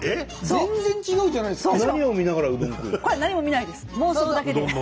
全然違うじゃないですか。